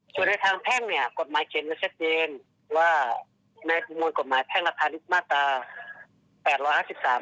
ส่วนในทางแพ่งเนี่ยกฎหมายเจ็ดมันแชทเจนว่าในธุมูลกฎหมายแพ่งรัฐศาสตร์ฤทธิ์มาตร๘๕๓